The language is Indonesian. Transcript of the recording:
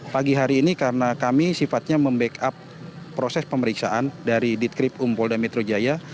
pagi hari ini karena kami sifatnya membackup proses pemeriksaan dari ditkrip umpolda metro jaya